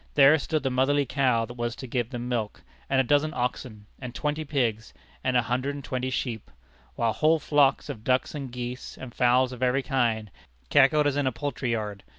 There stood the motherly cow that was to give them milk; and a dozen oxen, and twenty pigs, and a hundred and twenty sheep, while whole flocks of ducks and geese, and fowls of every kind, cackled as in a poultry yard.